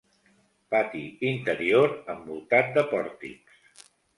Pati interior envoltat de pòrtics.